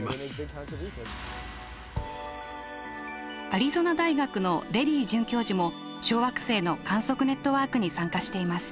アリゾナ大学のレディ准教授も小惑星の観測ネットワークに参加しています。